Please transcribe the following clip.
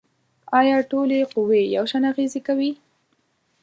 آیا ټولې قوې یو شان اغیزې کوي؟